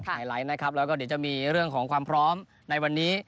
ไลท์นะครับแล้วก็เดี๋ยวจะมีเรื่องของความพร้อมในวันนี้